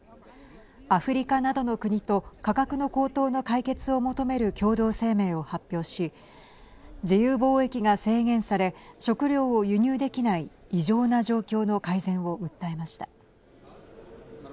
アフリカなどの国と価格の高騰の解決を求める共同声明を発表し自由貿易が制限され食料を輸入できない異常な状況の改善を訴えました。